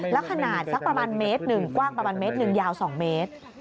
แล้วขนาดสักประมาณเมตรหนึ่งกว้างประมาณเมตรหนึ่งยาว๒เมตร